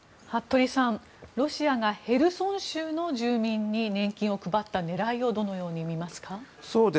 服部さん、ロシアがヘルソン州の住民に年金を配った狙いをどのように見ますか？